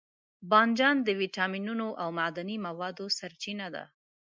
بانجان د ویټامینونو او معدني موادو سرچینه ده.